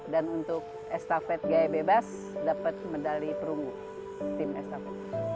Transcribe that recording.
dan untuk estafet gaya bebas dapat medali perunggu tim estafet